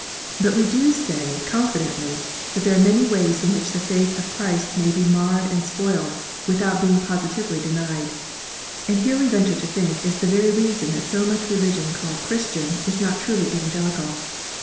But we do say con fidently, that there are many ways in which the faith of Christ may be marred and spoiled, without being positively denied. And here we venture to think is the very reason that so much religion called Christian, is not truly Evangelical.